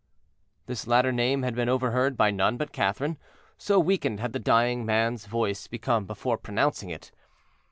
This latter name had been overheard by none but Catherine, so weakened had the dying man's voice become before pronouncing it.